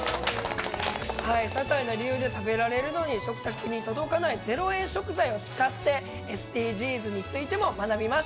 ささいな理由で、食べられるのに食卓に届かない０円食材を使って、ＳＤＧｓについて学びます。